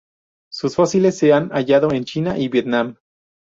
Sus fósiles se han hallado en China y Vietnam.